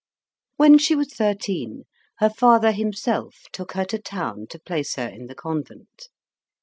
When she was thirteen, her father himself took her to town to place her in the convent.